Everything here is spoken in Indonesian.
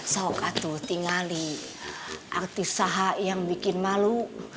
sokatu tingali artis sahak yang bikin malu